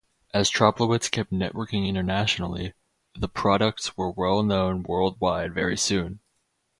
As Troplowitz kept networking internationally, the products were well known worldwide very soon.